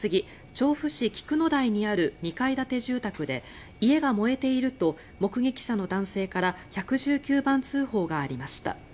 調布市菊野台にある２階建て住宅で家が燃えていると目撃者の男性から１１９番通報がありました。